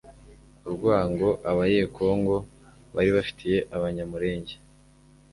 urwango Abaye-Congo bari bafitiye Abanyamulenge,